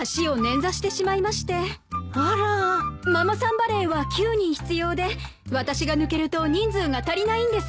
バレーは９人必要で私が抜けると人数が足りないんです。